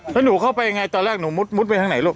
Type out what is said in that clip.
แล้วหนูเข้าไปยังไงตอนแรกหนูมุดไปทางไหนลูก